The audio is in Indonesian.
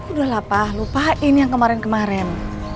pa udahlah pa lupain yang kemarin kemarin